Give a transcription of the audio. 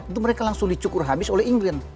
itu mereka langsung dicukur habis oleh inggris